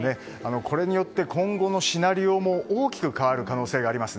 これによって今後のシナリオも大きく変わる可能性もあります。